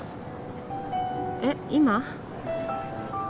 えっ今？